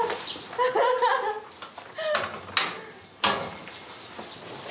アハハハッ。